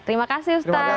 terima kasih ustadz